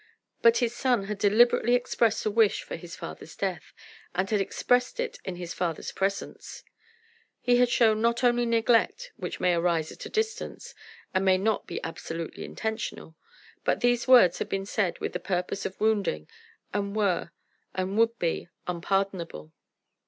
But his son had deliberately expressed a wish for his father's death, and had expressed it in his father's presence. He had shown not only neglect, which may arise at a distance, and may not be absolutely intentional; but these words had been said with the purpose of wounding, and were, and would be, unpardonable.